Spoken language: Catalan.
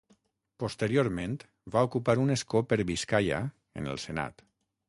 Posteriorment va ocupar un escó per Biscaia en el Senat.